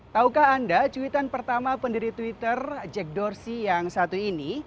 taukah anda cuitan pertama pendiri twitter jack dorsi yang satu ini